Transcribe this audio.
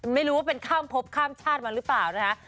ไม่รู้ว่าเป็นข้ามพบข้ามชาติมาหรือเปล่านะคะ